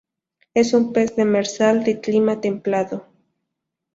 Es un pez demersal de clima templado.